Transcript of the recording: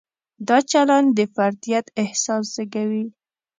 دا چلند د فردیت احساس زېږوي.